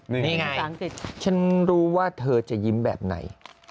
นี่ไงฉันรู้ว่าเธอจะยิ้มแบบไหน